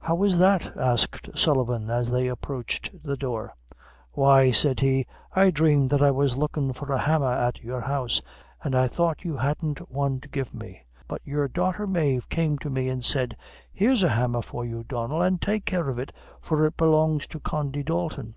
"How is that?" asked Sullivan, as they approached the door. "Why," said he, "I dreamed that I was lookin' for a hammer at your house, an' I thought that you hadn't one to give me; but your daughter Mave came to me, and said, 'here's a hammer for you, Donnel, an' take care of it, for it belongs to Condy Dalton.'